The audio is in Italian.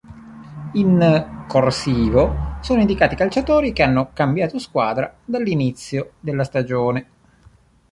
In "corsivo" sono indicati i calciatori che hanno cambiato squadra dall'inizio della stagione.